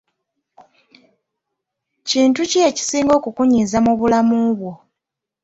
Kintu ki ekisinga okukunyiiza mu bulamu bwo?